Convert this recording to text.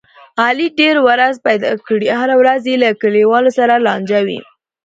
علي ډېر وزر پیدا کړي، هره ورځ یې له کلیوالو سره لانجه وي.